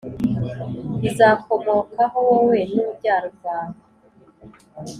Bizakomokaho wowe n urubyaro rwawe